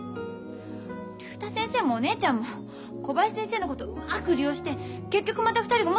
竜太先生もお姉ちゃんも小林先生のことうまく利用して結局また２人が元に戻っただけじゃない。